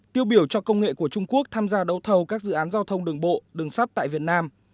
tiêu biểu cho công nghệ của trung quốc tham gia đấu thầu các dự án giao thông đường bộ đường sắt tại việt nam